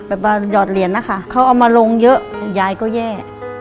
แบบว่าหยอดเหรียญนะคะเขาเอามาลงเยอะยายก็แย่